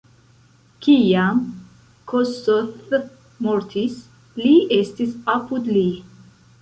Kiam Kossuth mortis, li estis apud li.